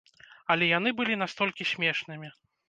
Але яны былі настолькі смешнымі!